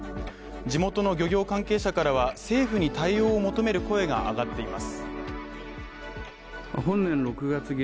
地元の漁業関係者からは政府に対応を求める声が上がっています。